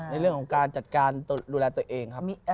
ในเรื่องของการจัดการดูแลตัวเองครับ